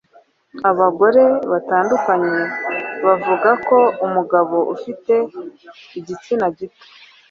Abagore batandukanye bavuga ko umugabo ufite igitsina gito